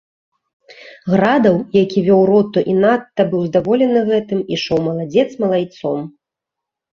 Градаў, які вёў роту і надта быў здаволены гэтым, ішоў маладзец малайцом.